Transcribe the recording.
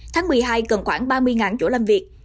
tháng một mươi hai cần khoảng ba mươi chỗ làm việc